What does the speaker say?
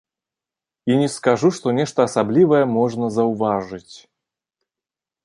І не скажу, што нешта асаблівае можна заўважыць.